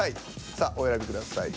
さあお選びください。